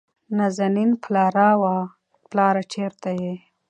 نازنين: پلاره، وه پلاره چېرته يې ؟